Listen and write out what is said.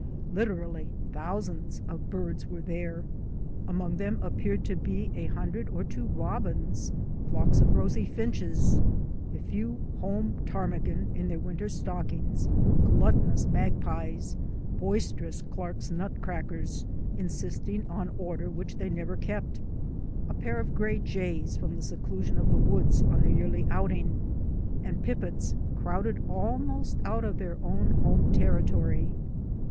Literally thousands of birds were there; among them appeared to be a hundred or two robins, flocks of rosy finches, a few home ptarmigan in their winter stockings, gluttonous magpies, boisterous Clarke's nutcrackers insisting on order which they never kept, a pair of gray jays from the seclusion of the woods on their yearly outing, and pipits crowded almost out of their own home territory.